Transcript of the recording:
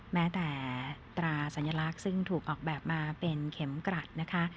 แม้แต่ตราสัญลักษณ์ซึ่งถูกออกแบบมาเป็นเข็มกรัดนะคะ